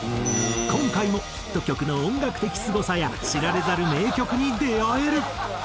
今回もヒット曲の音楽的すごさや知られざる名曲に出会える！